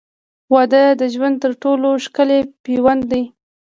• واده د ژوند تر ټولو ښکلی پیوند دی.